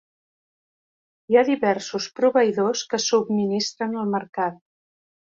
Hi ha diversos proveïdors que subministren el mercat.